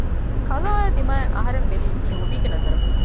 ކަލާއާއި ދިމާއަށް އަހަރެން ބެލީ ލޯބީގެ ނަޒަރުން